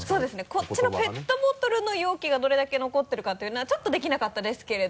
こっちのペットボトルの容器がどれだけ残ってるかというのはちょっとできなかったですけど。